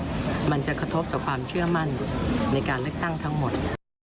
มันจะกระทบต่อความเชื่อมั่นในการเลือกตั้งทั้งหมด